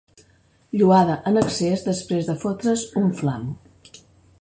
Lloada en excés després de fotre's un flam.